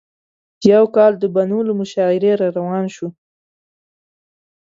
یو کال د بنو له مشاعرې راروان شوو.